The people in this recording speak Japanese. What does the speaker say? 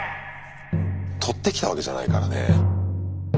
とってきたわけじゃないからね。